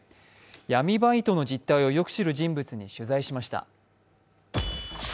闇バイトの実態をよく知る人物に取材しました。